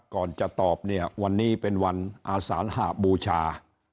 ก่อนจะตอบวันนี้เป็นวันอาสานห้าบูชา